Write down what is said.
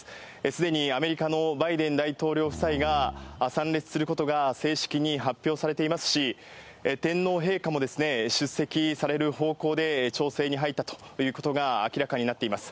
すでにアメリカのバイデン大統領夫妻が参列することが正式に発表されていますし、天皇陛下もですね、出席される方向で調整に入ったということが明らかになっています。